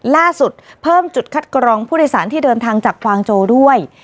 เพิ่มจุดคัดกรองผู้โดยสารที่เดินทางจากฟางโจด้วย